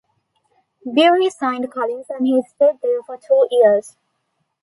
Bury signed Collins and he stayed there for two years.